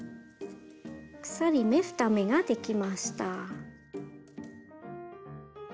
鎖目２目ができました。